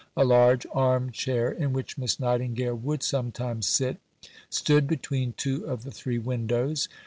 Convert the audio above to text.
A large arm chair, in which Miss Nightingale would sometimes sit, stood between two of the three windows.